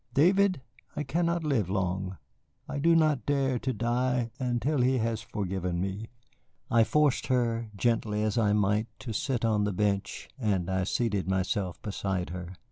David, I cannot live long. I do not dare to die until he has forgiven me." I forced her, gently as I might, to sit on the bench, and I seated myself beside her.